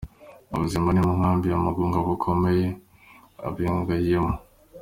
Ubuzima mu Nkambi ya Mugunga bukomereye abayihungiyemo